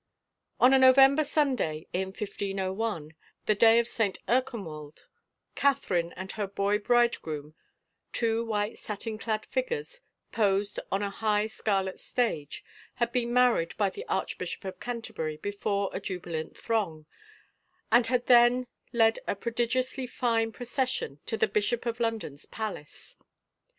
On a November Simday, in 1501, the day of Saint Erkenwald, Catherine and her boy bridegroom, two white satin clad figures posed on a high scarlet stage, had been married by the Archbishop of Canterbury before a jubi lant throng, and had then led a prodigiously fine pro cession to the Bishop of London's palace.